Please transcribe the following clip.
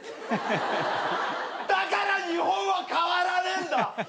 だから日本は変わらねえんだ！